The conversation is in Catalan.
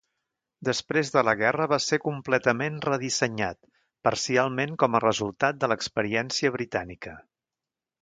Després de la guerra va ser completament redissenyat, parcialment com a resultat de l'experiència britànica.